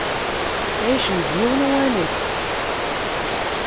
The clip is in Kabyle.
Ttεicen deg yiwen uwanek.